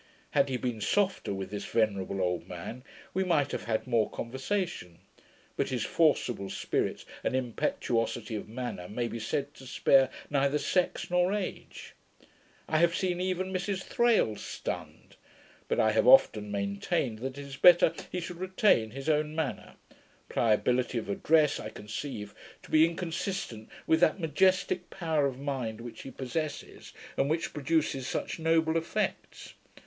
Had he been softer with this venerable old man, we might have had more conversation; but his forcible spirit; and impetuosity of manner, may be said to spare neither sex nor age. I have seen even Mrs Thrale stunned; but I have often maintained, that it is better he should retain his own manner. Pliability of address I conceive to be inconsistent with that majestick power of mind which he possesses, and which produces such noble effects.